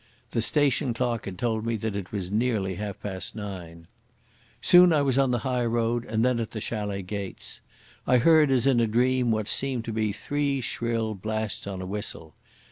The station clock had told me that it was nearly half past nine. Soon I was on the high road, and then at the Chalet gates. I heard as in a dream what seemed to be three shrill blasts on a whistle.